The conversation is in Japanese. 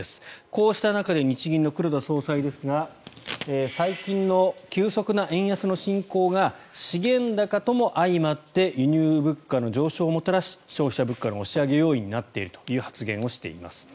こうした中で日銀の黒田総裁ですが最近の急速な円安の進行が資源高とも相まって輸入物価の上昇をもたらし消費者物価の押し上げ要因になっているという発言をしています。